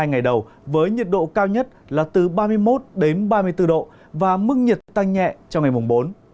hai ngày đầu với nhiệt độ cao nhất là từ ba mươi một đến ba mươi bốn độ và mức nhiệt tăng nhẹ trong ngày mùng bốn